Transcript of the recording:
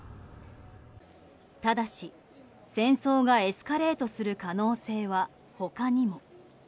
ただし、戦争がエスカレートする可能性は他にも。